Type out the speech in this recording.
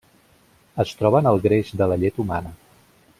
Es troba en el greix de la llet humana.